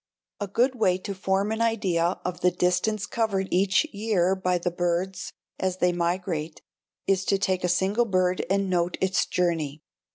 A good way to form an idea of the distance covered each year by the birds as they migrate is to take a single bird and note its journey.